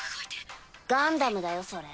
ガンダムだよそれ。